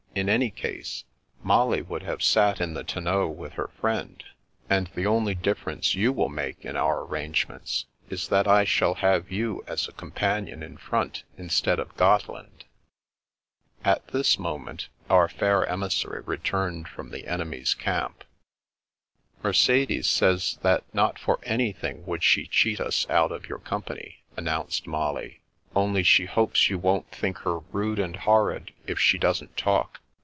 In any case, Molly would have sat in the tonneau with her friend, and the only difference you will make in our arrangements is that I shall have you as a com panion in front instead of Gotteland." At this moment our fair emissary returned from the enemy's camp. " Mercedes says that not for anything would she cheat us out of your company," announced Molly. " Only she hopes you won't think her rude and hor rid if she doesn't talk.